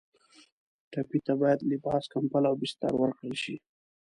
ټپي ته باید لباس، کمپله او بستر ورکړل شي.